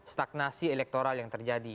stagnasi elektoral yang terjadi